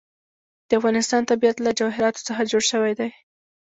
د افغانستان طبیعت له جواهرات څخه جوړ شوی دی.